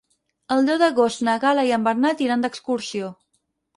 El deu d'agost na Gal·la i en Bernat iran d'excursió.